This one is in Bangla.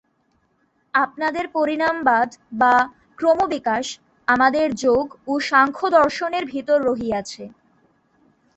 আপনাদের পরিণামবাদ বা ক্রমবিকাশ আমাদের যোগ ও সাংখ্যদর্শনের ভিতর রহিয়াছে।